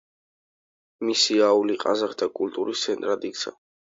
მისი აული ყაზახთა კულტურის ცენტრად იქცა.